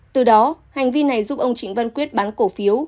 từ đó hành vi này giúp ông trịnh văn quyết bán cổ phiếu